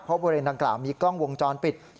เพราะบริเวณดังกล่าวมีกล้องวงจรปิด